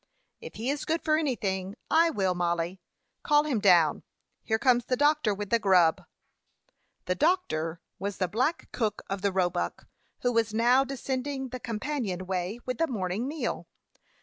"If he is good for anything, I will, Mollie. Call him down. Here comes the doctor with the grub." The "doctor" was the black cook of the Roebuck, who was now descending the companion way with the morning meal.